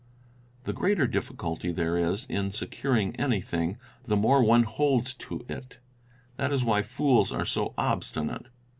The greater difficulty there is in securing anything, the more one holds on to it; that is why fools are so obstinate.